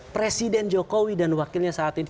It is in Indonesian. presiden jokowi dan wakilnya saat ini